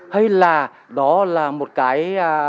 hay là đó là một cái